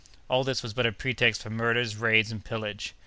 All this was but a pretext for murders, raids, and pillage.